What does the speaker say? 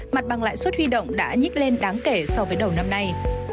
mặt bằng lãi suất huy động đã nhích lên đáng kể so với đầu năm nay